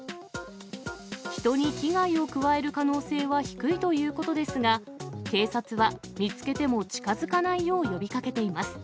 人に危害を加える可能性は低いということですが、警察は見つけても近づかないよう呼びかけています。